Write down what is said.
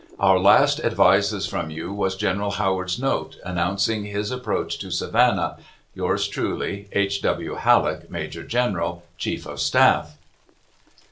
Our last advises from you was General Howard's note, announcing his approach to Savannah. Yours truly, H. W. HALLECK, Major General, Chief of Staff.